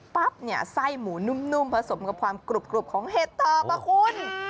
ปั๊บเนี่ยไส้หมูนุ่มผสมกับความกรุบของเห็ดตอบอะคุณ